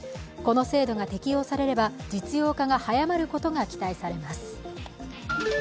この制度が適用されれば、実用化が早まることが期待されます。